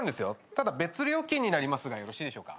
ただ別料金になりますがよろしいでしょうか？